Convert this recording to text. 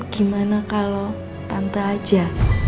gimana kalau tante aja